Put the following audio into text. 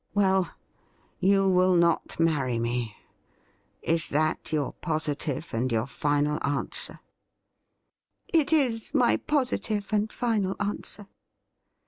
Well, you will not marry me. Is that your positive and yoiu* final answer ?'' It is my positive and final answer.'